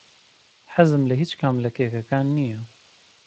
حەزم لە هیچ کام لە کێکەکان نییە.